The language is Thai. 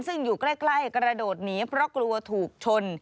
ซึ่งอยู่ใกล้กระโดดหนีเพราะกลัวถูกชน